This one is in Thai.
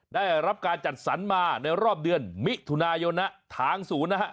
ได้รับการจัดสรรมาในรอบเดือนมิถุนายนทางศูนย์นะฮะ